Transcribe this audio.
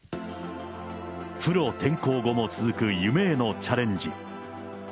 プロ転向後も続く夢へのチャレンジ。